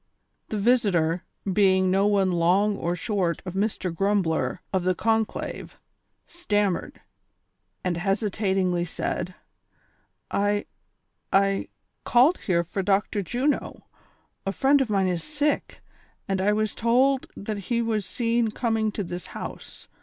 " The visitor, being no one long or short of Mr. Grumbler of the con clave, stammered, and hesitatingly said :" I — I — called here for Dr. Juno, a friend of mine is sick, and I was told that he was seen coming to this house.